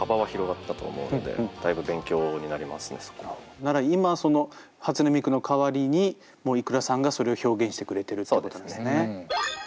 なら今初音ミクの代わりにｉｋｕｒａさんがそれを表現してくれてるってことなんですね。